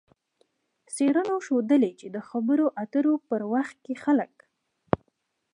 څېړنو ښودلې چې د خبرو اترو پر وخت خلک